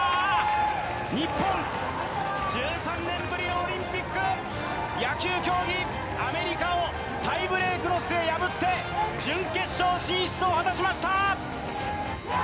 日本１３年ぶりのオリンピック野球競技、アメリカをタイブレークの末、破って準決勝進出を果たしました！